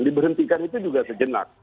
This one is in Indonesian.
diberhentikan itu juga sejenak